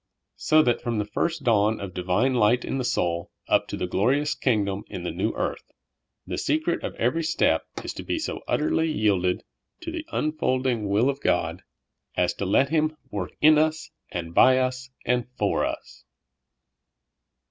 '' So that from the first dawn of divine light in the soul up to the glorious kingdom in the new earth, the secret of every step is to be so utterly yielded to the unfolding " LET GOD." 103 will of God as to let Him work iu us, and by us, and for us.